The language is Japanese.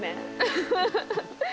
フフフフ。